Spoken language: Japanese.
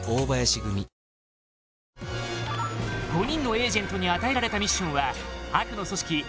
５人のエージェントに与えられたミッションは悪の組織